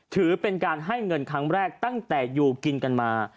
ถือเป็นการให้เงินครั้งแรกตั้งแต่อยู่กินกันมา